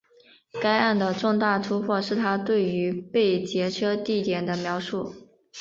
该案的重大突破是她对于被劫车地点的描述。